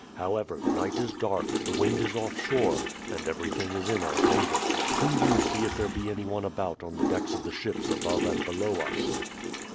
However, the night is dark, the wind is off shore, and everything is in our favour. Do you see if there be anyone about on the decks of the ships above and below us."